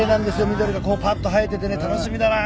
緑がこうパッと映えててね楽しみだなあ。